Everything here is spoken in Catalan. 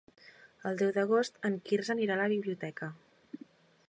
El deu d'agost en Quirze anirà a la biblioteca.